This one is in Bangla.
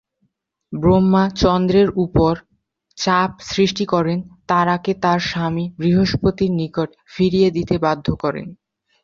ব্রহ্মা চন্দ্রের উপর চাপ সৃষ্টি করেন তারাকে তার স্বামী বৃহস্পতির নিকট ফিরিয়ে দিতে বাধ্য করেন।